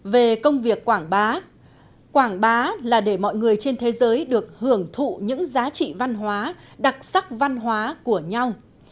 về công việc quảng bá quảng bá là để mọi người trên thế giới được hưởng thụ những giá trị văn hóa đặc sắc văn hóa của nhau